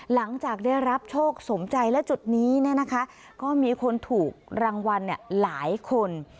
หลังจากได้รับโชคสมใจและจุดนี้เนี่ยนะคะก็มีคนถูกรางวัลเนี่ยหลายคน